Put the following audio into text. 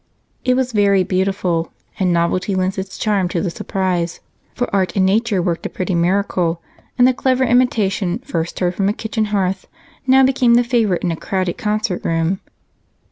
It was very beautiful, and novelty lent its charm to the surprise, for art and nature worked a pretty miracle and the clever imitation, first heard from a kitchen hearth, now became the favorite in a crowded concert room.